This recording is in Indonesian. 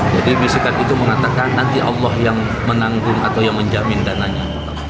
jadi bisikan itu mengatakan nanti allah yang menanggung atau yang menjamin dananya